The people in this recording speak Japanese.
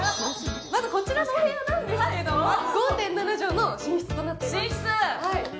こちらのお部屋なんですけど５．７畳の寝室となっています。